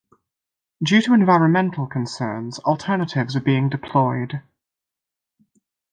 Due to environmental concerns, alternatives are being deployed.